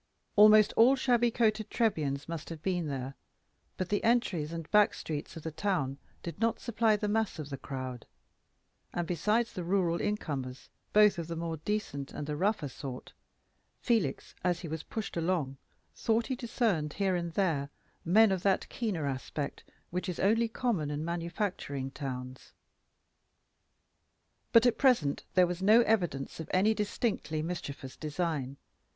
Almost all shabby coated Trebians must have been there, but the entries and back streets of the town did not supply the mass of the crowd; and besides the rural incomers, both of the more decent and the rougher sort, Felix, as he was pushed along, thought he discerned here and there men of that keener aspect which is only common in manufacturing towns. But at present there was no evidence of any distinctly mischievous design.